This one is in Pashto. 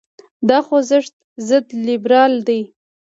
دا خوځښت ضد لیبرال دی.